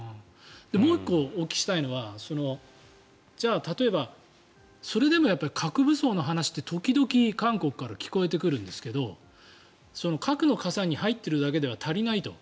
もう１個お聞きしたいのは例えば、それでもやっぱり核武装の話って時々、韓国から聞こえてくるんですけど核の傘に入っているだけでは足りないと。